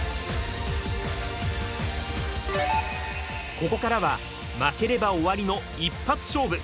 ここからは負ければ終わりの一発勝負。